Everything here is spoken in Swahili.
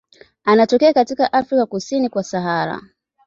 Anatokea katika Afrika kusini kwa Sahara.